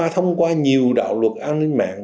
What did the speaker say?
thông qua nhiều đạo luật an ninh mạng